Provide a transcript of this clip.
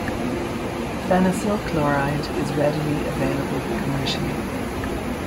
Phenacyl chloride is readily available commercially.